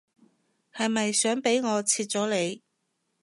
係咪想俾我切咗你